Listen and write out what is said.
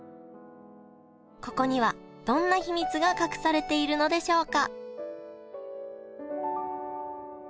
ここにはどんな秘密が隠されているのでしょうか？